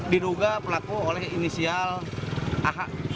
diduga pelaku oleh inisial ah